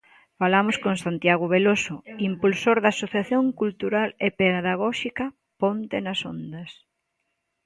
Falamos con Santiago Veloso, impulsor da Asociación Cultural e Pedagóxica "Ponte... nas ondas!".